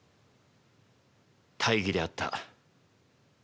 大儀であった。